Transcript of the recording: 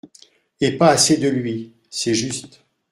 Et pas assez de lui… c’est juste.